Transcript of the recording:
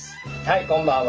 こんばんは。